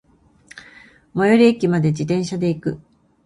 最寄駅まで、自転車で行く。